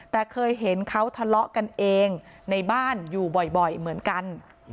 แต่เคยเห็นเขาทะเลาะกันเองในบ้านอยู่บ่อยเหมือนกัน